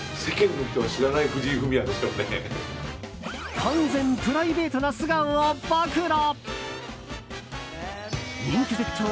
完全プライベートな素顔を暴露。